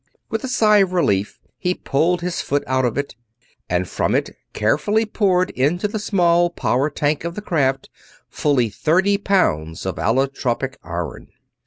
With a sigh of relief he pulled his foot out of it, and from it carefully poured into the small power tank of the craft fully thirty pounds of allotropic iron!